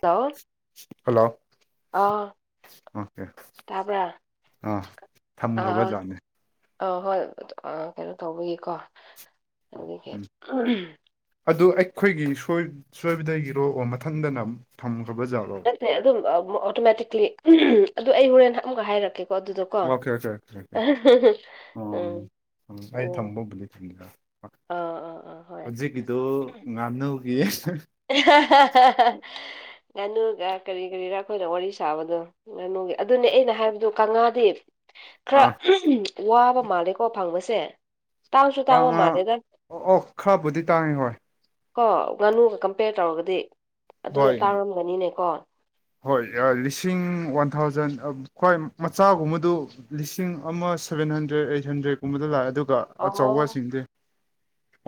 hello hello ꯑꯥ okay ꯇꯥꯕ꯭ꯔꯥ ꯑꯥ ꯑꯥ ꯑꯥ ꯊꯝꯈ꯭ꯔꯕꯖꯥꯠꯅꯦ ꯑꯥ ꯍꯣꯏ ꯀꯩꯅꯣ ꯇꯧꯕꯒꯤꯀꯣ ꯑꯗꯨꯒꯤ ꯎꯝ ꯑꯗꯨ ꯑꯩꯈꯣꯏꯒꯤ ꯁꯣꯏꯕꯗꯒꯤꯔꯣ ꯃꯊꯟꯗꯅ ꯊꯝꯈ꯭ꯔꯕꯖꯥꯠꯔꯣ ꯅꯠꯇꯦ ꯑꯗꯨꯝ ꯑꯣꯇꯣꯃꯦꯇꯤꯛꯂꯤ ꯑꯗꯨ ꯑꯩ ꯍꯣꯔꯦꯟ ꯑꯃꯛꯒ ꯍꯥꯏꯔꯛꯀꯦ ꯑꯗꯨꯗꯀꯣ ꯑꯣꯀꯦ ꯑꯣꯀꯦ ꯑꯣꯀꯦ ꯑꯣꯀꯦ ꯎꯝ ꯎꯝ ꯑꯩ ꯊꯝꯕꯕꯨꯗꯤ [unintelligible] ꯑꯥ ꯑ ꯑ ꯍꯣꯏ ꯍꯧꯖꯤꯛꯀꯤꯗꯣ ꯉꯥꯡꯅꯨꯒꯤ ꯉꯥꯅꯨꯒ ꯀꯔꯤ ꯀꯔꯤꯔꯥ ꯑꯩꯈꯣꯏꯅ ꯋꯥꯔꯤ ꯁꯥꯕꯗꯣ ꯉꯥꯅꯨꯒꯤ ꯑꯗꯨꯅꯦ ꯑꯩꯅ ꯍꯥꯏꯕꯗꯣ ꯀꯥꯡꯉꯥꯗꯤ ꯈꯔ ꯋꯥꯕ ꯃꯥꯜꯂꯦꯀꯣ ꯐꯪꯕꯁꯦ ꯇꯥꯡꯁꯨ ꯇꯥꯡꯕ ꯀꯥꯉꯥ ꯃꯥꯜꯂꯦꯗ ꯑꯣ ꯑꯣ ꯈꯔꯕꯨꯗꯤ ꯇꯥꯡꯉꯦ ꯍꯣꯏ ꯀꯣ ꯉꯥꯅꯨꯒ ꯀꯝꯄꯦꯌꯔ ꯇꯧꯔꯒꯗꯤ ꯑꯗꯨꯅ ꯍꯣꯏ ꯇꯥꯡꯉꯝꯒꯅꯤꯅꯦ ꯀꯣ ꯍꯣꯏ ꯂꯤꯁꯤꯡ ꯋꯥꯟ ꯊꯥꯎꯖꯟ ꯍ꯭ꯣꯏ ꯃꯆꯥꯒꯨꯝꯕꯗꯨ ꯂꯤꯁꯤꯡ ꯑꯃ ꯁꯚꯦꯟ ꯍꯟꯗ꯭ꯔꯦꯗ ꯑꯩꯠ ꯍꯟꯗ꯭ꯔꯦꯗꯀꯨꯝꯕꯗ ꯂꯥꯛꯑꯦ ꯑꯗꯨꯒ ꯑꯣ ꯑꯆꯧꯕꯁꯤꯡꯗꯤ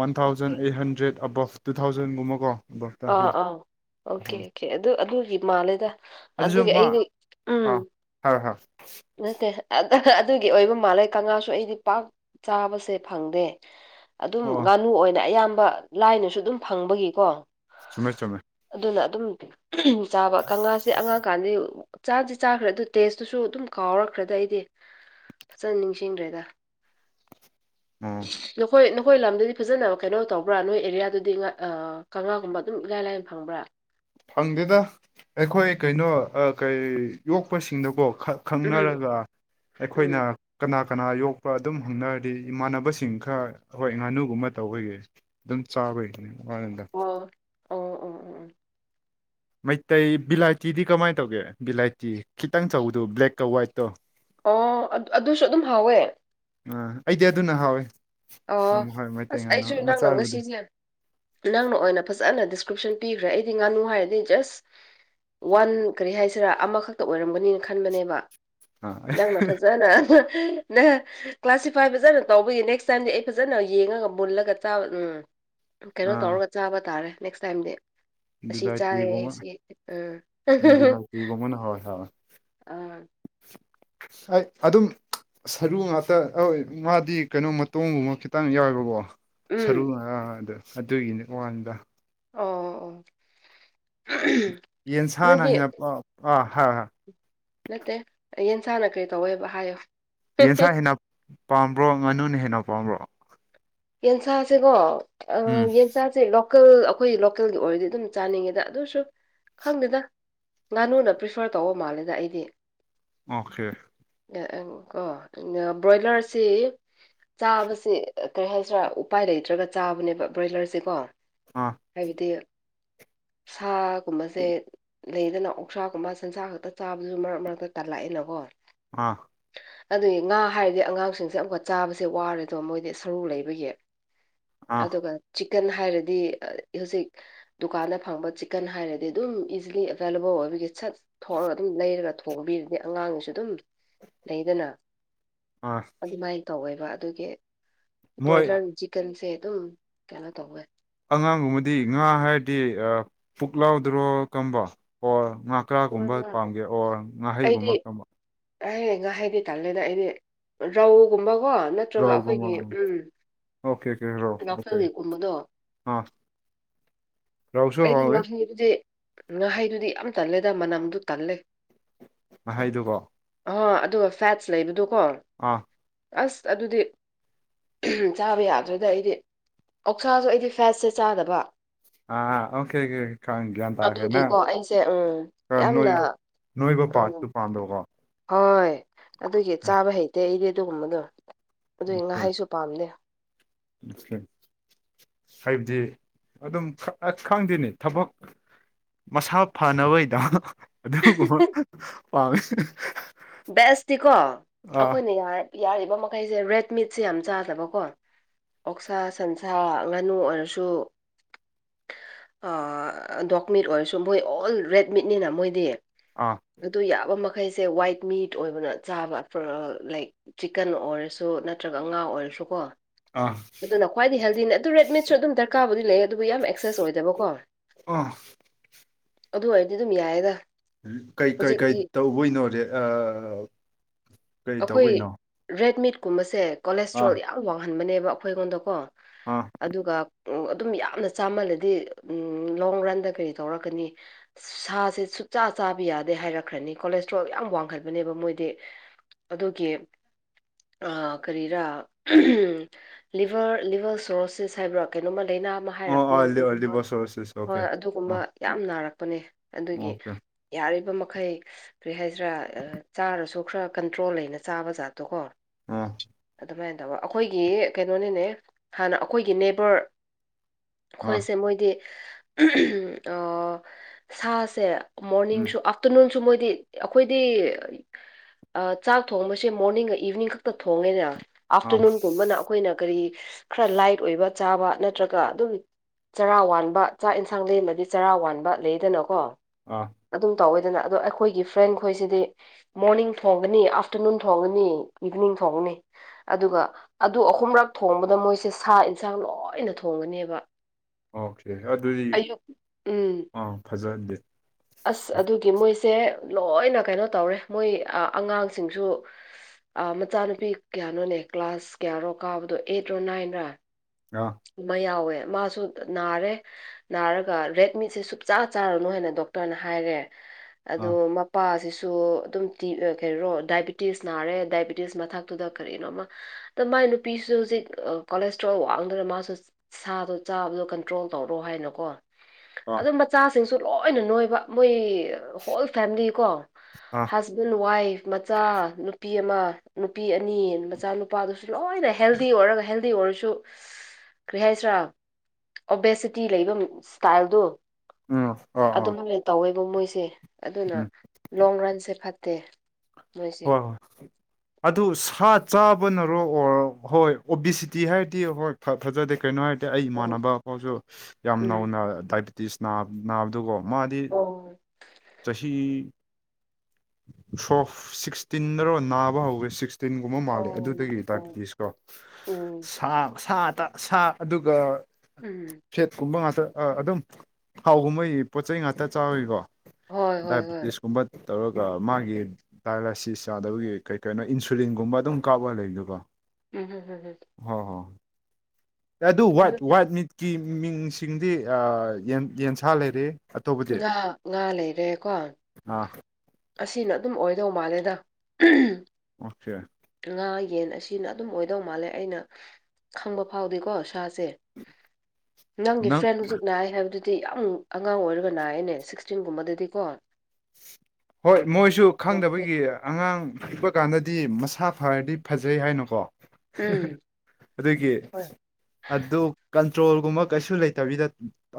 one thousand okay eight hundred above two ꯊꯥꯎꯖꯟꯒꯨꯝꯕ ꯀꯣ ꯑꯥ ꯑꯥ ꯑꯣꯀꯦ ꯑꯣꯀꯦ ꯑꯗꯨ ꯑꯗꯨꯒꯤ ꯃꯥꯜꯂꯦꯗ ꯑꯗꯨꯁꯨ ꯑꯗꯨꯒꯤ ꯃꯥ ꯑꯩꯗꯣ ꯎꯝ ꯑꯥ ꯍꯥꯏꯔꯣ ꯍꯥꯏꯔꯣ ꯅꯠꯇꯦ ꯑꯥ ꯑꯗꯨꯒꯤ ꯑꯣꯏꯕ ꯃꯥꯜꯂꯦ ꯀꯪꯉꯥꯁꯨ ꯑꯩꯗꯤ ꯄꯥꯛ ꯆꯥꯕꯁꯦ ꯐꯪꯗꯦ ꯑꯗꯨꯝ ꯑꯣ ꯉꯥꯅꯨ ꯑꯣꯏꯅ ꯑꯌꯥꯝꯕ ꯂꯥꯏꯅꯁꯨ ꯑꯗꯨꯝ ꯐꯪꯕꯒꯤꯀꯣ ꯆꯨꯝꯃꯦ ꯆꯨꯝꯃꯦ ꯑꯗꯨꯅ ꯑꯗꯨꯝ ꯑꯍꯝ ꯆꯥꯕ ꯀꯪꯉꯥꯁꯦ ꯑꯉꯥꯡꯀꯥꯟꯗꯤ ꯆꯥꯗꯤ ꯆꯥꯈ꯭ꯔꯦ ꯑꯗꯨ ꯇꯦꯁꯇꯨꯁꯨ ꯑꯗꯨꯝ ꯀꯥꯎꯔꯛꯈ꯭ꯔꯦꯗ ꯑꯩꯗꯤ ꯐꯖꯅ ꯅꯤꯡꯁꯤꯡꯗ꯭ꯔꯦꯗ ꯑꯣ ꯅꯈꯣꯏ ꯅꯈꯣꯏ ꯂꯝꯗꯗꯤ ꯐꯖꯅ ꯀꯩꯅꯣ ꯇꯧꯕ꯭ꯔꯥ ꯅꯣꯏ ꯑꯦꯔꯤꯌꯥꯗꯨꯗꯤ ꯑꯥ ꯀꯪꯉꯥ ꯒꯨꯝꯕ ꯑꯗꯨꯝ ꯏꯂꯥꯏ ꯂꯥꯏꯅ ꯐꯪꯕ꯭ꯔꯥ ꯐꯪꯗꯦꯗ ꯑꯩꯈꯣꯏ ꯀꯩꯅꯣ ꯑꯥ ꯀꯩ ꯌꯣꯛꯄꯁꯤꯡꯗꯀꯣ ꯈꯛ ꯎꯝ ꯈꯪꯅꯔꯒ ꯎꯝ ꯑꯩꯈꯣꯏꯅ ꯀꯅꯥ ꯀꯅꯥ ꯌꯣꯛꯄ ꯑꯗꯨꯝ ꯍꯪꯅꯔꯗꯤ ꯏꯃꯥꯟꯅꯕꯁꯤꯡ ꯈꯔ ꯑꯩꯈꯣꯏ ꯉꯥꯅꯨꯒꯨꯝꯕ ꯇꯧꯕꯒꯤ ꯑꯗꯨꯝ ꯆꯥꯕꯩꯅꯦ ꯑꯣ ꯑꯣ ꯑꯣ ꯑꯣ ꯃꯩꯇꯩ ꯕꯤꯂꯥꯏꯇꯤꯗꯤ ꯀꯃꯥꯏꯅ ꯇꯧꯒꯦ ꯕꯤꯂꯥꯏꯇꯤ ꯈꯤꯇꯪ ꯆꯧꯕꯗꯣ ꯕ꯭ꯂꯦꯛꯀ ꯋꯥ꯭ꯋꯥꯏꯠꯇꯣ ꯑꯣ ꯑꯗꯨꯁꯨ ꯑꯗꯨꯝ ꯍꯥꯎꯋꯦ ꯑꯥ ꯑꯩꯗꯤ ꯑꯗꯨꯅ ꯍꯥꯎꯋꯦ ꯑꯣ ꯍꯣꯏ ꯃꯩꯇꯩ ꯑꯁ ꯉꯥꯅꯨ ꯑꯩꯁꯨ ꯅꯪꯅ ꯃꯆꯥꯕꯨꯗꯤ ꯉꯁꯤꯁꯦ ꯅꯪꯅ ꯑꯣꯏꯅ ꯐꯖꯅ ꯗꯤꯁꯀ꯭ꯔꯤꯞꯁꯟ ꯄꯤꯈ꯭ꯔꯦ ꯑꯩꯗꯤ ꯉꯥꯅꯨ ꯍꯥꯏꯔꯗꯤ ꯖꯁ ꯋꯥꯟ ꯀꯔꯤ ꯍꯥꯏꯁꯤꯔꯥ ꯑꯃꯈꯛꯇ ꯑꯣꯏꯔꯝꯒꯅꯤꯅ ꯈꯟꯕꯅꯦꯕ ꯑꯥ ꯅꯪꯅ ꯐꯖꯅ ꯅ ꯀ꯭ꯂꯥꯁꯤꯐꯥꯏ ꯐꯖꯅ ꯇꯧꯕꯒꯤ ꯅꯦꯛꯁ ꯆꯟꯗꯤ ꯑꯩ ꯐꯖꯅ ꯌꯦꯡꯉꯒ ꯃꯨꯜꯂꯒ ꯆꯥꯕ ꯎꯝ ꯀꯩꯅꯣ ꯑꯥ ꯇꯧꯔꯒ ꯆꯥꯕ ꯇꯥꯔꯦ ꯅꯦꯛꯁ ꯇꯥꯏꯝꯗꯤ ꯑꯁꯤ ꯆꯥꯏꯌꯦ ꯕꯤꯂꯥꯏꯇꯤꯒꯨꯝꯕ ꯁꯤ ꯎꯝ ꯕꯤꯂꯥꯏꯇꯤꯒꯨꯝꯕꯅ ꯍꯣꯏ ꯍꯥꯎꯋꯦ ꯑꯥ ꯑꯩ ꯑꯗꯨꯝ ꯁꯔꯨ ꯉꯥꯛꯇ ꯑꯣꯏ ꯃꯥꯗꯤ ꯀꯩꯅꯣ ꯃꯇꯣꯡꯒꯨꯝꯕ ꯈꯤꯇꯪ ꯌꯥꯎꯋꯦꯕꯀꯣ ꯎꯝ ꯁꯔꯨ ꯑꯥ ꯑꯗꯨꯒꯤꯅꯤ ꯋꯥꯅꯤꯗ ꯑꯣ ꯑꯍꯝ ꯌꯦꯟꯁꯥꯅ ꯍꯦꯟꯅ ꯑꯥ [unintelligible] ꯅꯠꯇꯦ ꯌꯦꯟꯁꯥꯅ ꯀꯔꯤ ꯇꯧꯋꯦꯕ ꯍꯥꯏꯌꯨ ꯌꯦꯟꯁꯥ ꯍꯦꯟꯅ ꯄꯥꯝꯕ꯭ꯔꯣ ꯉꯥꯅꯨꯅ ꯍꯦꯟꯅ ꯄꯥꯝꯕ꯭ꯔꯣ ꯌꯦꯟꯁꯥꯁꯦꯀꯣ ꯑꯥ ꯎꯝ ꯌꯦꯟꯁꯥꯁꯦ ꯂꯣꯛ ꯂꯣꯀꯦꯜ ꯑꯩꯈꯣꯏꯒꯤ ꯂꯣꯀꯦꯜꯒꯤ ꯑꯣꯏꯔꯗꯤ ꯑꯗꯨꯝ ꯆꯥꯅꯤꯡꯉꯦꯗ ꯑꯗꯨꯁꯨ ꯈꯪꯗꯦꯗ ꯉꯥꯅꯨꯅ ꯄ꯭ꯔꯤꯐꯔ ꯇꯧꯕ ꯃꯥꯜꯂꯦꯗ ꯑꯩꯗꯤ ꯑꯣꯀꯦ ꯑꯥ ꯑꯪ ꯀꯣ ꯕ꯭ꯔꯣꯏꯂꯔꯁꯤ ꯆꯥꯕꯁꯤ ꯀꯔꯤ ꯍꯥꯏꯁꯤꯔꯥ ꯎꯄꯥꯏ ꯂꯩꯇ꯭ꯔꯒ ꯆꯥꯕꯅꯦꯕ ꯕ꯭ꯔꯣꯏꯂꯔꯁꯦꯀꯣ ꯑꯥ ꯍꯥꯏꯕꯗꯤ ꯁꯥꯒꯨꯝꯕꯁꯦ ꯂꯩꯗꯅ ꯑꯣꯛꯁꯥꯒꯨꯝꯕ ꯁꯟꯁꯥ ꯈꯛꯇ ꯆꯥꯕꯗꯨꯁꯨ ꯃꯔꯛ ꯃꯔꯛꯇ ꯇꯥꯜꯂꯛꯑꯦꯅꯀꯣ ꯑꯥ ꯑꯗꯨꯒꯤ ꯉꯥ ꯍꯥꯏꯔꯗꯤ ꯑꯉꯥꯡꯁꯤꯡꯁꯦ ꯑꯃꯨꯛꯀ ꯆꯥꯕꯁꯦ ꯋꯥꯔꯦꯗꯣ ꯃꯣꯏꯗꯤ ꯁꯔꯨ ꯂꯩꯕꯒꯤ ꯑꯥ ꯑꯗꯨꯒ ꯆꯤꯀꯟ ꯍꯥꯏꯔꯗꯤ ꯍꯧꯖꯤꯛ ꯗꯨꯀꯥꯟꯗ ꯐꯪꯕ ꯆꯤꯛꯀꯟ ꯍꯥꯏꯔꯗꯤ ꯑꯗꯨꯝ ꯏꯖꯤꯂꯤ ꯑꯦꯕꯥꯏꯂꯦꯕꯜ ꯑꯣꯏꯕꯒꯤ ꯁꯠ ꯊꯣꯡꯑꯒ ꯑꯗꯨꯝ ꯂꯩꯔꯒ ꯊꯣꯡꯕꯤꯔꯗꯤ ꯑꯉꯥꯡꯒꯤꯁꯨ ꯑꯗꯨꯝ ꯂꯩꯗꯅ ꯑꯥ ꯑꯗꯨꯃꯥꯏꯅ ꯇꯧꯋꯦꯕ ꯑꯗꯨꯒꯤ ꯃꯣꯏ ꯄ꯭ꯔꯣꯏꯂꯥꯔ ꯆꯤꯟꯁꯦ ꯑꯗꯨꯝ ꯀꯩꯅꯣ ꯇꯧꯌꯦ ꯑꯉꯥꯡꯒꯨꯝꯕꯗꯤ ꯉꯥ ꯍꯥꯏꯔꯗꯤ ꯑꯥ ꯄꯨꯛ ꯂꯥꯎꯗ꯭ꯔꯣ ꯀꯝꯕ ꯑꯣ ꯉꯥ ꯀꯒꯨꯝꯕ ꯄꯥꯝꯒꯦ ꯑꯣꯔ ꯉꯥꯍꯩꯒꯨꯝꯕ ꯀꯔꯝꯕ ꯑꯥꯏ ꯉꯥꯍꯩꯗꯤ ꯇꯜꯂꯤ ꯗ ꯑꯩꯗꯤ ꯔꯧꯎꯒꯨꯝꯕꯒꯣ ꯅ ꯅꯠꯇ꯭ꯔꯒ ꯔꯧꯒꯨꯝꯕ ꯑꯩꯈꯣꯏꯒꯤ ꯎꯝ ꯑꯣꯀꯦ ꯑꯣꯀꯦ ꯔꯧ ꯑꯣꯀꯦ ꯂꯣꯀꯦꯜꯒꯤ ꯎꯝꯕ ꯗꯣ ꯑꯥ ꯔꯧꯁꯨ ꯑꯩꯗꯤ ꯍꯥꯎꯋꯤ ꯉꯥꯍꯩꯗꯨꯗꯤ ꯉꯥꯍꯩꯗꯨꯗꯤ ꯌꯥꯝ ꯇꯜꯂꯦꯗ ꯃꯅꯝꯗꯨ ꯇꯜꯂꯦ ꯉꯥꯍꯩꯗꯨꯒꯣ ꯑꯍꯣ ꯑꯗꯨꯒ ꯐꯦꯠꯁ ꯂꯩꯕꯗꯨꯀꯣ ꯑꯥ ꯑꯁ ꯑꯗꯨꯗꯤ ꯆꯥꯕ ꯌꯥꯗ꯭ꯔꯦꯗ ꯑꯩꯗꯤ ꯑꯣꯛꯁꯥꯁꯨ ꯑꯩꯗꯤ ꯐꯦꯠꯁꯦ ꯆꯥꯗꯕ ꯑ ꯑꯣꯀꯦ ꯀꯦ ꯈꯪ ꯒ꯭ꯌꯥꯟ ꯇꯥꯈꯦꯅ ꯑꯗꯨꯒꯤꯀꯣ ꯑꯩꯁꯦ ꯎꯝ ꯌꯥꯝꯅ ꯅꯣꯏ ꯅꯣꯏꯕ ꯎꯝ ꯄꯥꯔꯠꯇꯨ ꯄꯥꯝꯗꯕꯀꯣ ꯍꯣꯏ ꯑꯗꯨꯒꯤ ꯆꯥꯕ ꯍꯩꯇꯦ ꯑꯩꯗꯤ ꯑꯗꯨꯒꯨꯝꯕꯗꯣ ꯑꯗꯨꯒꯤ ꯑꯣꯀꯦ ꯉꯥꯍꯩꯁꯨ ꯄꯥꯝꯗꯦ [unintelligible] ꯍꯥꯏꯕꯗꯤ ꯑꯗꯨꯝ [unintelligible] ꯈꯪꯗꯦꯅꯤ ꯊꯕꯛ ꯃꯁꯥ ꯐꯅꯕꯒꯤꯗ ꯑꯗꯨꯒꯨꯝꯕ ꯄꯥꯝꯃꯤ ꯕꯦꯁꯇꯤꯀꯣ ꯑꯩꯈꯣꯏꯅ ꯌꯥꯔ ꯌꯥꯔꯤꯕ ꯃꯈꯩꯁꯦ ꯔꯦꯗ ꯃꯤꯠꯁꯦ ꯌꯥꯝ ꯆꯥꯗꯕꯀꯣ ꯑꯣꯛꯁꯥ ꯁꯟꯁꯥ ꯉꯥꯅꯨ ꯑꯣꯏꯔꯁꯨ ꯑꯥ ꯗꯣꯛ ꯃꯤꯠ ꯑꯣꯏꯔꯁꯨ ꯃꯣꯏ ꯑꯣꯜ ꯔꯦꯠ ꯃꯤꯠꯅꯤꯅ ꯃꯣꯏꯗꯤ ꯑꯥ ꯑꯗꯨ ꯌꯥꯕ ꯃꯈꯩꯁꯦ ꯋꯥꯏꯠ ꯃꯤꯠ ꯑꯣꯏꯕꯅ ꯆꯥꯕ ꯂꯥꯏꯛ ꯆꯤꯛꯀꯟ ꯑꯣꯏꯔꯁꯨ ꯅꯠꯇ꯭ꯔꯒ ꯉꯥ ꯑꯣꯏꯔꯁꯨꯀꯣ ꯑꯥ ꯑꯗꯨꯅ ꯈ꯭ꯋꯥꯏꯗꯤ ꯍꯦꯜꯗꯤꯅꯦ ꯑꯗꯨ ꯔꯦꯗꯃꯤꯠꯁꯨ ꯑꯗꯨꯝ ꯗꯔꯀꯥꯔꯕꯨꯗꯤ ꯂꯩ ꯑꯗꯨꯕꯨ ꯌꯥꯝ ꯑꯦꯛꯁꯦꯁ ꯑꯣꯏꯗꯕꯀꯣ ꯑꯥ ꯑꯗꯨ ꯑꯣꯏꯔꯗꯤ ꯑꯗꯨꯝ ꯌꯥꯏꯌꯦꯗ ꯀꯩ ꯀꯩ ꯀꯩ ꯍꯧꯖꯤꯛꯇꯤ ꯇꯧꯕꯩꯅꯣ ꯔꯦꯗ ꯑꯩꯈꯣꯏ ꯇꯧꯕꯩꯅꯣ ꯔꯦꯗ ꯃꯤꯠꯀꯨꯝꯕꯁꯦ ꯑꯥ ꯀꯣꯂꯦꯁꯇ꯭ꯔꯣꯜ ꯌꯥꯝ ꯋꯥꯡꯍꯟꯕꯅꯦꯕ ꯑꯩꯈꯣꯏ ꯑꯩꯉꯣꯟꯗꯀꯣ ꯑꯥ ꯑꯗꯨꯒ ꯑꯗꯨꯝ ꯌꯥꯝꯅ ꯆꯥꯃꯜꯂꯗꯤ ꯂꯣꯡ ꯔꯟꯗ ꯀꯔꯤ ꯇꯧꯔꯛꯀꯅꯤ ꯁꯥꯁꯦ ꯁꯨꯛꯆꯥ ꯆꯥꯕ ꯌꯥꯗꯦ ꯍꯥꯏꯔꯛꯈ꯭ꯔꯅꯤ ꯀꯣꯂꯦꯁꯇ꯭ꯔꯣꯜ ꯌꯥꯝ ꯋꯥꯡꯈꯠꯕꯅꯦꯕ ꯃꯣꯏꯗꯤ ꯑꯗꯨꯒꯤ ꯑ ꯀꯔꯤꯔꯥ ꯂꯤꯚꯔ ꯂꯤꯚꯔ ꯁꯣꯔꯣꯁꯤꯁ ꯍꯥꯏꯕ꯭ꯔꯥ ꯀꯩꯅꯣꯝꯃ ꯂꯩꯅꯥ ꯑꯃ ꯑꯣ ꯑꯥ ꯍꯥꯏꯔꯛꯄꯅꯦꯅꯦ ꯑꯩꯗꯤ ꯍꯣꯏ ꯂꯤꯕꯔꯁꯣꯔꯁꯤꯁ ꯑꯣꯀꯦ ꯍꯣꯏ ꯑꯥ ꯑꯗꯨꯒꯨꯝꯕ ꯌꯥꯝ ꯅꯥꯔꯛꯄꯅꯦ ꯑꯗꯨꯒꯤ ꯑꯣꯀꯦ ꯌꯥꯔꯤꯕ ꯃꯈꯩ ꯀꯔꯤ ꯍꯥꯏꯁꯤꯔꯥ ꯆꯥꯔꯁꯨ ꯈꯔ ꯀꯟꯇ꯭ꯔꯣꯜ ꯂꯩꯅ ꯆꯥꯕ ꯖꯥꯠꯇꯣꯀꯣ ꯑꯥ ꯑꯗꯨꯃꯥꯏꯅ ꯇꯧꯕ ꯑꯩꯈꯣꯏꯒꯤ ꯀꯩꯅꯣꯅꯤꯅꯦ ꯍꯥꯟꯅ ꯑꯩꯈꯣꯏꯒꯤ ꯅꯦꯕꯔ ꯑꯥ ꯑꯩꯈꯣꯏꯁꯦ ꯃꯣꯏꯗꯤ ꯑꯥ ꯁꯥꯁꯦ ꯎꯝ ꯃꯣꯔꯅꯤꯡꯁꯨ ꯑꯥꯐꯇꯔꯅꯨꯟꯁꯨ ꯃꯣꯏꯗꯤ ꯑꯩꯈꯣꯏꯗꯤ ꯆꯥꯛ ꯊꯣꯡꯕꯁꯦ ꯃꯣꯔꯅꯤꯡꯒ ꯏꯚꯤꯅꯤꯡ ꯈꯛꯇ ꯊꯣꯡꯉꯦꯅ ꯑꯥ ꯑꯥꯐꯇꯔꯅꯨꯟꯒꯨꯝꯕꯅ ꯑꯩꯈꯣꯏꯅ ꯀꯔꯤ ꯈꯔ ꯂꯥꯏꯠ ꯑꯣꯏꯕ ꯆꯥꯕ ꯅꯠꯇ꯭ꯔꯒ ꯑꯗꯨꯝ ꯆꯔꯥ ꯋꯥꯟꯕ ꯆꯥꯛ ꯏꯟꯁꯥꯡ ꯂꯩꯃꯗꯤ ꯆꯔꯥ ꯋꯥꯟꯕ ꯂꯩꯗꯅꯀꯣ ꯑꯥ ꯑꯗꯨꯝ ꯇꯧꯋꯦꯗꯅ ꯑꯗꯣ ꯑꯩꯈꯣꯏꯒꯤ ꯐ꯭ꯔꯦꯟ ꯈꯣꯏꯁꯤꯗꯤ ꯃꯣꯔꯅꯤꯡ ꯊꯣꯡꯒꯅꯤ ꯑꯐꯇꯔꯅꯨꯟ ꯊꯣꯡꯒꯅꯤ ꯏꯚꯅꯤꯡ ꯊꯣꯡꯅꯤ ꯑꯗꯨꯒ ꯑꯗꯨ ꯑꯍꯨꯝꯔꯛ ꯊꯣꯡꯕꯗ ꯃꯣꯏꯁꯦ ꯁꯥ ꯢꯟꯁꯥꯡ ꯂꯣꯏꯅ ꯊꯣꯡꯒꯥꯅꯤꯕꯥ ꯑꯣꯀꯦ ꯑꯗꯨꯗꯤ ꯎꯝ ꯑꯥ ꯐꯥꯖꯍꯟꯗꯦ ꯑꯁ ꯑꯗꯨꯗꯤ ꯃꯣꯏꯁꯦ ꯂꯣꯏꯅ ꯀꯩꯅꯣ ꯇꯧꯔꯦ ꯃꯣꯏ ꯑꯥ ꯑꯉꯥꯡꯁꯤꯡꯁꯨ ꯑꯥ ꯃꯆꯥꯅꯨꯄꯤ ꯀꯌꯥꯅꯣꯅꯦ ꯀ꯭ꯂꯥꯁ ꯀꯌꯥꯔꯣ ꯀꯥꯕꯗꯣ ꯑꯩꯠꯔꯣ ꯅꯥꯏꯟꯔꯥ ꯑꯥ ꯑꯃ ꯌꯥꯎꯋꯦ ꯃꯥꯁꯨ ꯅꯥꯔꯦ ꯅꯥꯔꯒ ꯔꯦꯗ ꯃꯤꯠꯁꯦ ꯁꯨꯛꯆꯥ ꯆꯥꯔꯨꯅꯨ ꯍꯥꯏꯅ ꯗꯣꯛꯇꯔꯅ ꯍꯥꯏꯔꯦ ꯑꯗꯣ ꯑꯥ ꯃꯞ ꯄꯥꯁꯤꯁꯨ ꯑꯗꯨꯝ ꯇꯤ ꯀꯔꯤꯔꯣ ꯗꯥꯏꯕꯤꯇꯤꯁ ꯅꯥꯔꯦ ꯗꯥꯏꯕꯤꯇꯤꯁ ꯃꯊꯛꯇꯨꯗ ꯀꯔꯤꯅꯣꯃꯥ ꯗꯣ ꯃꯥꯏ ꯅꯨꯄꯤꯁꯨ ꯍꯧꯖꯤꯛ ꯀꯣꯂꯦꯁꯇ꯭ꯔꯣꯜ ꯋꯥꯡ ꯑꯗꯨꯅ ꯃꯥꯁꯨ ꯁꯥꯗꯣ ꯆꯥꯕꯗꯣ ꯀꯟꯇ꯭ꯔꯣꯜ ꯇꯧꯔꯣ ꯍꯥꯏꯅꯀꯣ ꯑꯥ ꯑꯗꯨ ꯏꯆꯥꯁꯤꯡꯁꯨ ꯂꯣꯏꯅ ꯅꯣꯏꯕ ꯃꯣꯏ ꯍꯣꯜ ꯐꯦꯝꯂꯤꯀꯣ ꯑꯥ ꯍꯁꯕꯦꯟ ꯋꯥꯏꯐ ꯃꯆꯥ ꯅꯨꯄꯤ ꯑꯃ ꯅꯨꯄꯤ ꯑꯅꯤ ꯃꯆꯥ ꯅꯨꯨꯄꯥꯗꯨꯁꯨ ꯂꯣꯏꯅ ꯍꯦꯜꯗꯤ ꯑꯣꯏꯔꯥꯒ ꯍꯦꯜ ꯗꯤ ꯑꯣꯏꯔꯥꯁꯨ ꯀꯔꯤ ꯍꯥꯏꯁꯤꯔꯥ ꯑꯣꯕꯦꯁꯤꯇꯤ ꯂꯩꯕ ꯁ꯭ꯇꯥꯢꯜꯗꯨ ꯎꯝ ꯑꯥ ꯑꯥ ꯑꯗꯨꯃꯥꯏꯅ ꯇꯧꯋꯦꯕꯥ ꯃꯣꯏꯁꯦ ꯑꯗꯨꯅ ꯎꯝ ꯂꯣꯡ ꯔꯟꯁꯦ ꯐꯠꯇꯦ ꯃꯣꯏꯁꯦ ꯍꯣꯏ ꯍꯣꯢ ꯑꯗꯨ ꯁꯥ ꯆꯥꯕꯅꯔꯣ ꯑꯣꯔ ꯍꯣꯏ ꯑꯣꯕꯤꯁꯤꯇꯤ ꯍꯥꯏꯔꯗꯤ ꯍꯣꯏ ꯐꯖꯥꯗꯦ ꯀꯩꯅꯣ ꯍꯥꯏꯗꯤ [inaudible] ꯑꯩ ꯎꯝ ꯏꯃꯥꯟꯅꯕ ꯈꯣꯢꯁꯨ ꯌꯥꯝ ꯎꯝ ꯅꯧꯅ ꯗꯥꯏꯕꯤꯇꯤꯁ ꯅꯥ ꯅꯥꯕꯗꯨꯀꯣ ꯃꯥꯗꯤ ꯑꯣ ꯆꯍꯤ ꯁꯣꯐ ꯁꯤꯛꯁ꯭ꯇꯤꯟꯅꯔꯣ ꯅꯥꯕ ꯍꯧꯋꯦ ꯁꯤꯛꯁ꯭ꯇꯤꯟꯒꯨꯝꯕ ꯃꯥꯜꯂꯦ ꯎꯝ ꯑꯗꯨꯗꯒꯤ ꯎꯝ ꯗꯥꯢꯕꯤꯇꯤꯁ ꯎꯝ ꯁꯥ ꯁꯥ ꯇꯥ ꯁꯥ ꯑꯗꯨꯒ ꯎꯝ ꯐꯦꯠꯀꯨꯝꯕ ꯉꯥꯛꯇ ꯑꯗꯨꯝ ꯊꯥꯎꯒꯨꯝꯕꯒꯤ ꯄꯣꯠ ꯆꯩ ꯉꯥꯛꯇ ꯆꯥꯕꯒꯤꯀꯣ ꯍꯣꯏ ꯍꯣꯏ ꯍꯣꯏ ꯗꯥꯏꯕꯤꯇꯤꯁꯀꯨꯝꯕ ꯇꯧꯔꯛ ꯃꯥꯒꯤ ꯗꯥꯏꯂꯥꯏꯁꯤꯁ ꯆꯥꯗꯕꯒꯤ ꯀꯩ ꯀꯩꯅꯣ ꯏꯟꯁꯨꯂꯤꯟꯒꯨꯝꯕ ꯑꯗꯨꯝ ꯀꯥꯞꯄ ꯂꯩꯗꯨꯀꯣ ꯎꯝꯍꯝ ꯎꯝꯍꯝ ꯍꯣ ꯍꯣ ꯑꯗꯨ ꯋꯥꯏꯠ ꯋꯥꯏꯠ ꯃꯤꯠꯀꯤ ꯃꯤꯡꯁꯤꯡꯗꯤ ꯑꯥ ꯌꯦꯟꯁꯥ ꯂꯩꯔꯦ ꯑꯇꯣꯞꯄꯗꯤ ꯇꯨꯂꯥ ꯉꯥ ꯂꯩꯔꯦꯀꯣ ꯑꯥ ꯑꯁꯤꯅ ꯑꯗꯨꯝ ꯑꯣꯏꯗꯧ ꯃꯥꯜꯂꯦꯗꯥ ꯑꯣꯀꯦ ꯉꯥ ꯌꯦꯟ ꯑꯁꯤꯅ ꯑꯗꯨꯝ ꯑꯣꯏꯗꯧ ꯃꯥꯜꯂꯦ ꯑꯩꯅꯥ ꯈꯪꯕ ꯐꯥꯎꯗꯤꯀꯣ ꯁꯥꯁꯦ ꯅꯪꯒꯤ ꯅꯪ ꯐ꯭ꯔꯦꯟ ꯍꯧꯖꯤꯛ ꯅꯥꯏ ꯍꯥꯏꯕꯗꯨꯗꯤ ꯌꯥꯝ ꯑꯉꯥꯡ ꯑꯣꯏꯔꯒ ꯅꯥꯏꯌꯦꯅꯦ ꯁꯤꯛꯁꯇꯤꯟꯒꯨꯝꯕꯗꯗꯤꯀꯣ ꯍꯣꯏ ꯃꯣꯏꯁꯨ ꯅꯨꯡꯉꯥꯏꯇꯦ ꯈꯪꯗꯕꯥꯒꯤ ꯑꯉꯥꯡ ꯄꯤꯛꯄ ꯀꯥꯟꯗꯗꯤ ꯃꯁꯥ ꯐꯔꯗꯤ ꯐꯖꯩ ꯍꯥꯏꯅꯥꯀꯣ ꯎꯝ ꯑꯗꯨꯒꯤ ꯍꯣꯏ ꯑꯗꯨ ꯀꯟꯇ꯭ꯔꯣꯜꯒꯨꯝꯕ ꯀꯩꯁꯨ ꯂꯩꯇꯕꯤꯗꯥ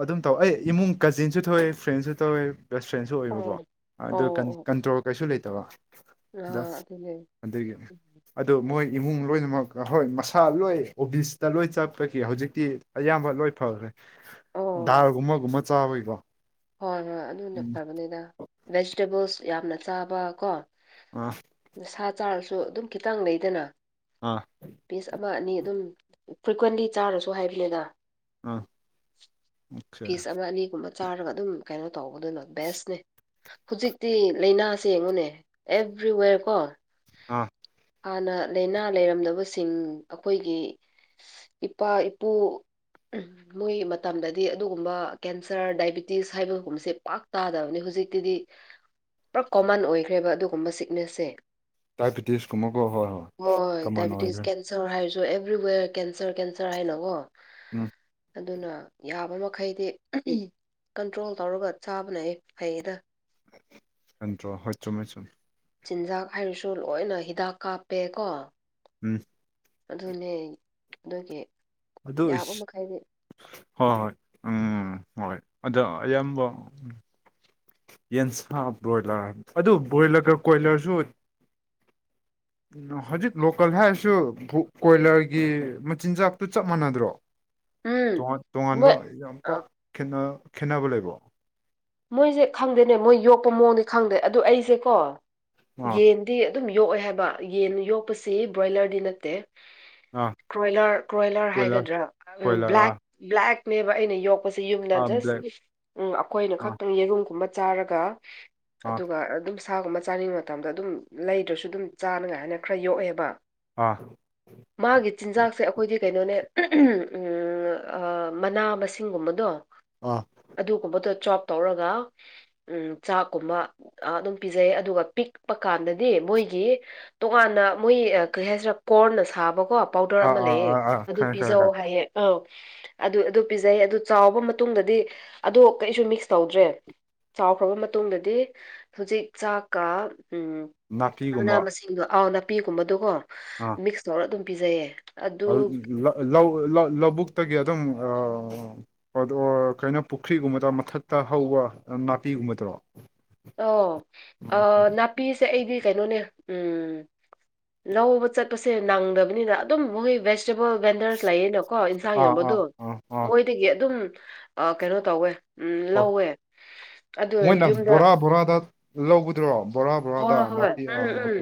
ꯑꯗꯨꯝ ꯇꯧ ꯑꯩ ꯏꯃꯨꯡ ꯀꯖꯤꯟꯖꯨ ꯊꯣꯛꯑꯦ ꯐ꯭ꯔꯦꯟꯁꯨ ꯇꯧꯋꯦ ꯕꯦꯁ ꯐ꯭ꯔꯦꯟꯁꯁꯨ ꯑꯣꯏꯕꯀꯣ ꯎꯝ ꯑꯗꯨ ꯑꯣ ꯑꯣ ꯑꯣ ꯀꯟꯇ꯭ꯔꯣꯜ ꯀꯩꯁꯨ ꯂꯩꯇꯕ ꯗꯥ ꯑꯥ ꯑꯗꯨꯅꯦ ꯑꯗꯨꯒꯤ ꯑꯗꯣ ꯃꯣꯏ ꯏꯃꯨꯡ ꯂꯣꯏꯅꯃꯛ ꯍꯣꯏ ꯃꯁꯥ ꯂꯣꯏ ꯑꯣꯕꯤꯁꯇ ꯂꯣꯏ ꯆꯠꯄꯒꯤ ꯍꯧꯖꯤꯛꯇꯤ ꯑꯌꯥꯝꯕ ꯂꯣꯏ ꯐꯒ꯭ꯔꯦ ꯑꯣ ꯗꯥꯜꯒꯨꯝꯕꯒꯨꯝꯕ ꯆꯥꯕꯒꯤꯀꯣ ꯍꯣꯏ ꯍꯣꯏ ꯑꯗꯨꯅ ꯎꯝ ꯐꯕꯥꯅꯤꯗ ꯚꯦꯖꯤꯇꯦꯕꯜꯁ ꯌꯥꯝꯅ ꯆꯥꯕ ꯀꯣ ꯑ ꯁꯥ ꯆꯥꯔꯁꯨ ꯑꯗꯨꯝ ꯈꯤꯇꯪ ꯂꯩꯗꯅ ꯑꯥ ꯄꯤꯁ ꯑꯃ ꯑꯅꯤ ꯑꯗꯨꯝ ꯐ꯭ꯔꯤꯀ꯭ꯋꯦꯟꯂꯤ ꯆꯥꯔꯁꯨ ꯍꯥꯏꯕꯅꯤꯗ ꯑꯥ ꯑꯣꯀꯦ ꯄꯤꯁ ꯑꯃ ꯑꯅꯤꯒꯨꯝꯕ ꯆꯥꯔꯒ ꯑꯗꯨꯝ ꯀꯩꯅꯣ ꯇꯧꯕꯗꯨꯅ ꯕꯦꯁꯅꯦ ꯍꯧꯖꯤꯛꯇꯤ ꯂꯥꯏꯅꯥꯁ ꯌꯦꯡꯉꯨꯅꯦ ꯑꯦꯚ꯭ꯔꯤꯋꯦꯔ ꯀꯣ ꯑꯥ ꯍꯥꯟꯅ ꯂꯥꯏꯅꯥ ꯂꯩꯔꯝꯗꯕꯁꯤꯡ ꯑꯩꯈꯣꯏꯒꯤ ꯏꯄꯥ ꯏꯄꯨ ꯃꯣꯏ ꯃꯇꯝꯗꯗꯤ ꯑꯗꯨꯒꯨꯝꯕ ꯀꯦꯟꯁꯔ ꯗꯥꯏꯕꯤꯇꯤꯁ ꯗꯥꯏꯕꯤꯇꯤꯁ ꯍꯥꯏꯕꯒꯨꯝꯕꯁꯦ ꯄꯥꯛ ꯇꯥꯗꯕꯅꯤ ꯍꯧꯖꯤꯛꯇꯤꯗꯤ ꯄꯨꯂꯞ ꯀꯣꯃꯟ ꯑꯣꯏꯈ꯭ꯔꯦꯕ ꯑꯗꯨꯒꯨꯝꯕ ꯁꯤꯛꯅꯦꯁꯁꯦ ꯗꯥꯏꯕꯤꯇꯤꯁ ꯀꯨꯝꯕꯀꯣ ꯍꯣꯏ ꯍꯣꯏ ꯀꯃꯥꯟ ꯑꯣꯏꯈ꯭ꯔꯦ ꯀꯦꯟꯁꯔ ꯍꯥꯏꯔꯁꯨ ꯑꯦꯕ꯭ꯔꯤꯋꯦꯔ ꯀꯦꯟꯁꯔ ꯀꯦꯟꯁꯔ ꯍꯥꯏꯅꯀꯣ ꯑꯝ ꯑꯗꯨꯅ ꯌꯥꯕ ꯃꯈꯩꯗꯤ ꯀꯟꯇ꯭ꯔꯣꯜ ꯇꯧꯔꯒ ꯆꯥꯕꯅ ꯑꯩ ꯐꯩꯗ ꯀꯟꯗ꯭ꯔꯣ ꯍꯣꯏ ꯆꯨꯝꯃꯦ ꯆꯨꯝꯃꯦ ꯆꯤꯟꯖꯥꯛ ꯍꯥꯏꯔꯁꯨ ꯂꯣꯏꯅ ꯍꯤꯗꯥꯛ ꯀꯥꯞꯄꯦ ꯀꯣ ꯎꯝ ꯑꯗꯨꯅꯦ ꯑꯗꯨꯒꯤ ꯑꯗꯨ ꯌꯥꯕ ꯑꯣꯏꯁꯨ ꯃꯈꯩꯗꯤ ꯍꯣꯏ ꯍꯣꯏ ꯎꯝ ꯍꯣꯏ ꯑꯗ ꯑꯌꯥꯝꯕ ꯌꯦꯟꯁꯥ ꯕ꯭ꯔꯣꯏꯂꯔ ꯑꯗꯨ ꯕꯣꯏꯔꯒ ꯀꯣꯏꯂꯔꯁꯨ ꯍꯧꯖꯤꯛ ꯂꯣꯀꯦꯜ ꯍꯥꯏꯔꯁꯨ ꯀꯣꯏꯂꯔꯒꯤ ꯃꯆꯤꯟꯖꯥꯛꯇꯣ ꯆꯞ ꯃꯥꯟꯅꯗ꯭ꯔꯣ ꯎꯝ ꯇꯣꯉꯥꯟ ꯇꯣꯉꯥꯟꯕ ꯃꯣꯏ ꯌꯥꯝ ꯄꯥꯛ ꯈꯦꯠꯅꯕ ꯂꯩꯕꯣ ꯃꯣꯏꯁꯦ ꯈꯪꯗꯦꯅꯦ ꯃꯣꯏ ꯌꯣꯛꯄ ꯃꯑꯣꯡꯗꯤ ꯈꯪꯗꯦ ꯑꯗꯨꯗꯣ ꯑꯩꯁꯦꯀꯣ ꯑꯥ ꯌꯦꯟ ꯗꯤ ꯑꯗꯨꯝ ꯌꯣꯛꯑꯦ ꯍꯥꯏꯕ ꯌꯦꯟ ꯌꯣꯛꯄꯁꯤ ꯕ꯭ꯔꯣꯏꯂꯔꯗꯤ ꯅꯠꯇꯦ ꯑꯥ ꯀ꯭ꯔꯣꯏꯂꯔ ꯀ꯭ꯔꯣꯏꯂꯔ ꯀꯣꯏꯂꯔ ꯍꯥꯏꯒꯗ꯭ꯔꯥ ꯀꯣꯏꯂꯔ ꯕ꯭ꯂꯦꯛ ꯑꯥ ꯕ꯭ꯂꯦꯛꯅꯦꯕ ꯑꯩꯅ ꯌꯣꯛ ꯑꯣꯛꯄꯁꯦ ꯌꯨꯝꯗ ꯑꯥ ꯖꯁ ꯕ꯭ꯂꯦꯛ ꯎꯝ ꯑꯩꯈꯣꯏꯅ ꯑꯥ ꯈꯛꯇꯪ ꯌꯦꯔꯨꯝꯒꯨꯝꯕ ꯆꯥꯔꯒ ꯑꯥ ꯑꯗꯨꯒ ꯑꯗꯨꯝ ꯁꯥꯒꯨꯝꯕ ꯆꯥꯅꯤꯡꯕ ꯃꯇꯝꯗ ꯑꯗꯨꯝ ꯂꯩꯗ꯭ꯔꯁꯨ ꯑꯗꯨꯝ ꯆꯥꯅꯉꯥꯏꯅ ꯈꯔ ꯌꯣꯛꯑꯦꯕ ꯑꯥ ꯃꯥꯒꯤ ꯆꯤꯟꯖꯥꯛꯁꯦ ꯑꯩꯈꯣꯏꯗꯤ ꯀꯩꯅꯣꯅꯦ ꯃꯅꯥ ꯃꯁꯤꯡꯒꯨꯝꯕꯗꯣ ꯑꯥ ꯑꯗꯨꯒꯨꯝꯕꯗꯣ ꯖꯣꯞ ꯇꯧꯔꯒ ꯎꯝ ꯆꯥꯛꯀꯨꯝꯕ ꯑꯗꯨꯝ ꯄꯤꯖꯩ ꯑꯗꯨꯒ ꯄꯤꯛꯄ ꯀꯥꯟꯗꯗꯤ ꯃꯣꯏꯒꯤ ꯇꯣꯉꯥꯟꯅ ꯃꯣꯏ ꯀꯩ ꯍꯥꯏꯁꯤꯔꯥ ꯀꯣꯔꯅ ꯁꯥꯕꯀꯣ ꯄꯥꯎꯗꯔ ꯑꯥ ꯑꯃ ꯑꯥ ꯂꯩꯌꯦ ꯑꯥ ꯑꯥ ꯑꯗꯨ ꯈꯪꯉꯦ ꯈꯪꯉꯦ ꯄꯤꯖꯧ ꯈꯪꯉꯦ ꯍꯥꯏꯌꯦ ꯑꯧ ꯑꯗꯨ ꯑꯗꯨ ꯄꯤꯖꯩ ꯑꯗꯨ ꯆꯥꯎꯕ ꯃꯇꯨꯡꯗꯗꯤ ꯑꯗꯣ ꯀꯩꯁꯨ ꯃꯤꯛꯁ ꯇꯧꯗ꯭ꯔꯦ ꯆꯥꯎꯈ꯭ꯔꯕ ꯃꯇꯨꯡꯗꯗꯤ ꯍꯧꯖꯤꯛ ꯆꯥꯛꯀ ꯃꯅꯥ ꯅꯥꯄꯤꯒꯨꯝꯕ ꯃꯁꯤꯡꯗꯣ ꯑꯥꯎ ꯅꯥꯄꯤꯒꯨꯝꯕꯗꯨꯀꯣ ꯑꯥ ꯃꯤꯛꯁ ꯇꯧꯔꯒ ꯑꯗꯨꯝ ꯄꯤꯖꯩꯌꯦ ꯂꯧꯕꯨꯛꯇꯒꯤ ꯑꯗꯨꯝ ꯑꯥ ꯑꯗꯣ ꯀꯩꯅꯣ ꯄꯨꯈ꯭ꯔꯤꯒꯨꯝꯕꯗ ꯃꯊꯛꯇ ꯍꯧꯕ ꯅꯥꯄꯤꯒꯨꯝꯕꯗꯣ ꯑꯣ ꯑ ꯅꯥꯄꯤꯁꯦ ꯑꯩꯗꯤ ꯀꯩꯅꯣꯅꯦ ꯎꯝ ꯂꯧꯕ ꯆꯠꯄꯁꯦ ꯅꯪꯗꯕꯅꯤꯅ ꯑꯗꯨꯝ ꯃꯣꯏ ꯚꯦꯖꯤꯇꯦꯕꯜ ꯕꯦꯟꯗꯔ ꯂꯩꯌꯦꯅꯀꯣ ꯏꯟꯁꯥꯡ ꯑꯥ ꯑꯥ ꯌꯣꯟꯕꯗꯣ ꯑꯥ ꯑꯥ ꯃꯣꯏꯗꯒꯤ ꯑꯗꯨꯝ ꯑꯥ ꯀꯩꯅꯣ ꯇꯧꯋꯦ ꯎꯝ ꯑꯣ ꯂꯧꯋꯦ ꯑꯗꯨ ꯃꯣꯏꯅ ꯌꯨꯝꯗ ꯕꯣꯔꯥ ꯕꯣꯔꯥꯗ ꯂꯧꯕꯗꯨꯔꯣ ꯕꯣꯔꯥ ꯕꯣꯔꯥꯗ ꯍꯣꯏ ꯍꯣꯏ ꯅꯥꯄꯤ ꯎꯝ ꯑꯥ ꯎꯝ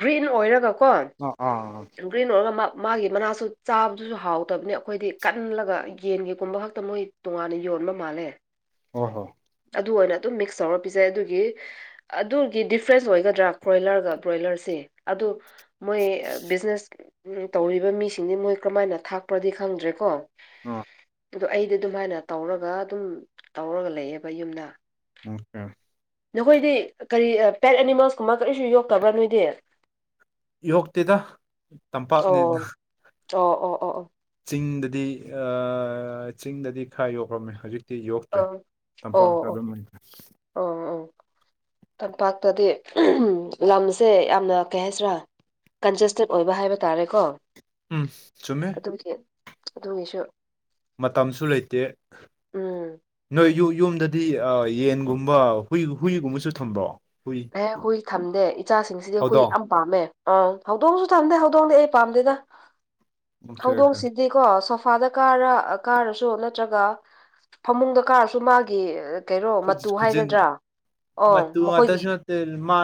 ꯒ꯭ꯔꯤꯟ ꯑꯣꯏꯔꯒ ꯀꯣ ꯑꯥ ꯍꯥ ꯒ꯭ꯔꯤꯟ ꯑꯣꯏꯔꯒ ꯃꯥꯒꯤ ꯃꯅꯥꯁꯨ ꯆꯥꯕꯗꯨꯁꯨ ꯍꯥꯎꯇꯕꯅꯦ ꯑꯩꯈꯣꯏꯗꯤ ꯀꯜꯂꯒ ꯌꯦꯟꯒꯤꯒꯨꯝꯕ ꯈꯛꯇ ꯃꯣꯏ ꯇꯣꯉꯥꯟꯅ ꯌꯣꯟꯕ ꯃꯥꯜꯂꯦ ꯍꯣ ꯍꯣ ꯑꯗꯨ ꯑꯣꯏꯅ ꯑꯗꯨꯝ ꯃꯤꯛꯁ ꯇꯧꯔ ꯄꯤꯖꯩ ꯑꯗꯨꯒꯤ ꯑꯗꯨꯒꯤ ꯗꯤꯐ꯭ꯔꯦꯟꯁ ꯑꯣꯏꯒꯗ꯭ꯔꯥ ꯕ꯭ꯔꯣꯏꯂꯔꯒ ꯕ꯭ꯔꯣꯏꯂꯔꯁꯤ ꯑꯗꯨ ꯃꯣꯏ ꯕꯤꯖꯤꯅꯦꯁ ꯇꯧꯔꯤꯕ ꯃꯤꯁꯤꯡꯗꯤ ꯃꯣꯏ ꯀꯅꯥꯏꯅ ꯊꯥꯛꯄ꯭ꯔꯗꯤ ꯈꯪꯗ꯭ꯔꯦ ꯀꯣ ꯑꯥ ꯑꯗꯣ ꯑꯩꯗꯤ ꯑꯗꯨꯝꯍꯥꯏꯅ ꯇꯧꯔꯒ ꯑꯗꯨꯝ ꯇꯧꯔꯒ ꯂꯩꯌꯦꯕ ꯌꯨꯝꯗ ꯑꯝ ꯇꯥꯢ ꯅꯈꯣꯏꯗꯤ ꯀꯔꯤ ꯄꯦꯠ ꯑꯦꯅꯤꯃꯦꯜꯁ ꯀꯨꯝꯕ ꯀꯔꯤꯁꯨ ꯌꯣꯛꯇꯕ꯭ꯔꯥ ꯅꯣꯏꯗꯤ ꯌꯣꯛꯇꯦꯗ ꯇꯝꯄꯥꯛꯅꯤꯗ ꯑꯣ ꯑꯣ ꯑꯣ ꯑꯣ ꯆꯤꯡꯗꯗꯤ ꯆꯤꯡꯗꯗꯤ ꯈꯔ ꯌꯣꯛꯑꯝꯃꯦ ꯍꯧꯖꯤꯛ ꯇꯤ ꯌꯣꯛꯇ꯭ꯔꯦ ꯑꯣ ꯑꯣ ꯇꯝꯄꯥꯛꯇ ꯑꯣ ꯑꯗꯨꯝ ꯂꯩꯈ꯭ꯔꯦ ꯑꯣ ꯑꯣ ꯇꯝꯄꯥꯛꯇꯗꯤ ꯂꯝꯁꯦ ꯌꯥꯝꯅ ꯀꯩ ꯍꯥꯏꯁꯤꯔꯥ ꯀꯟꯖꯦꯁꯇꯦꯠ ꯑꯣꯏꯕ ꯍꯥꯏꯕ ꯇꯥꯔꯦꯀꯣ ꯎꯝ ꯆꯨꯝꯃꯦ ꯑꯗꯨꯒꯤ ꯑꯗꯨꯒꯤꯁꯨ ꯃꯇꯝꯁꯨ ꯂꯩꯇꯦ ꯎꯝ ꯅꯣꯏ ꯌꯨ ꯌꯨꯝꯗꯗꯤ ꯌꯦꯟꯒꯨꯝꯕ ꯍꯨꯏ ꯍꯨꯏꯒꯨꯝꯕꯁꯨ ꯊꯝꯕ꯭ꯔꯣ ꯍꯨꯏ ꯑꯦ ꯍꯨꯏ ꯊꯝꯗꯦ ꯏꯆꯥꯁꯤꯡꯁꯤꯗꯤ ꯍꯨꯏ ꯍꯧꯗꯣꯡ ꯄꯥꯝꯃꯦ ꯑꯥꯎ ꯍꯧꯗꯣꯡꯁꯨ ꯊꯝꯗꯦ ꯍꯧꯗꯣꯡꯗꯤ ꯑꯩ ꯄꯥꯝꯗꯦꯗ ꯑꯣꯀꯦ ꯑꯣꯀꯦ ꯍꯧꯗꯣꯡꯁꯤꯗꯤ ꯀꯣ ꯁꯣꯐꯥꯗ ꯀꯥꯔ ꯀꯥꯔꯁꯨ ꯅꯠꯇ꯭ꯔꯒ ꯐꯃꯨꯡꯗ ꯀꯥꯔꯁꯨ ꯃꯥꯒꯤ ꯀꯩꯔꯣ ꯈꯨꯖ ꯃꯇꯨ ꯈꯨꯖꯤꯟ ꯍꯥꯏꯒꯗ꯭ꯔꯥ ꯑꯣ ꯃꯇꯨ ꯃꯈꯣꯏꯒꯤ [unintelligible] ꯃꯥ